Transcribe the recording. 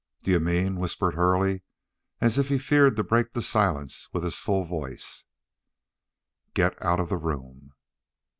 "D'you mean?" whispered Hurley, as if he feared to break the silence with his full voice. "Get out of the room."